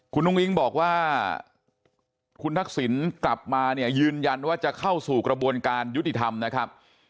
คุณอุ้งอิ๊งบอกว่าคุณทักษิณกลับมาเนี่ยยืนยันว่าจะเข้าสู่กระบวนการยุติธรรมนะครับ